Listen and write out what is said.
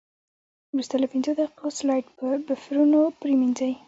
وروسته له پنځو دقیقو سلایډ په بفرونو پرېمنځئ.